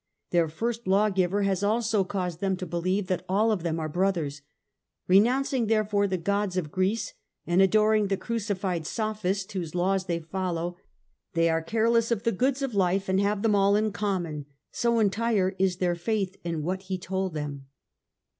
Their first lawgiver has also caused them to believe that all of them are brothers. Renouncing, therefore, the gods of Greece, and adoring the Crucified Sophist whose laws they follow, they are careless of the goods of life and have them all in common, so entire is their faith in what he told them.